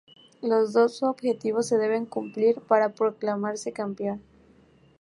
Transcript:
Los dos objetivos se deben cumplir para proclamarse campeón.